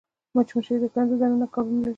مچمچۍ د کندو دننه کارونه لري